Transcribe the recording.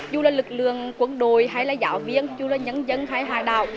dù là lực lượng quân đội hay là giáo viên dù là nhân dân hay hàng đạo